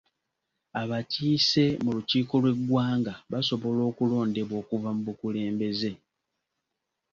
Abakiise mu lukiiko lw'eggwanga basobola okulondebwa okuva mu bukulembeze.